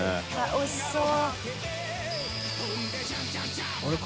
おいしそう。